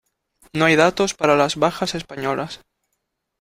No hay datos para las bajas españolas.